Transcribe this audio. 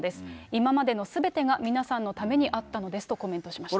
今までのすべてが皆さんのためにあったのですとコメントしました。